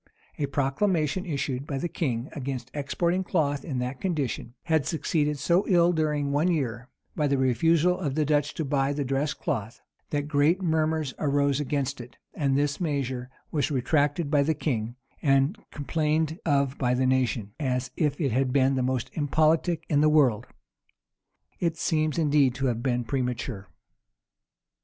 [] A proclamation issued by the king against exporting cloth in that condition, had succeeded so ill during one year, by the refusal of the Dutch to buy the dressed cloth, that great murmurs arose against it; and this measure was retracted by the king, and complained of by the nation, as if it had been the most impolitic in the world. It seems indeed to have been premature.